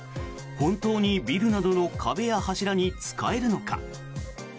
本当にビルなどの壁や柱に使えるのか。